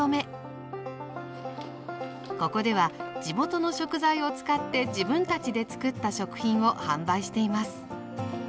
ここでは地元の食材を使って自分たちでつくった食品を販売しています。